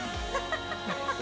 ハハハハ！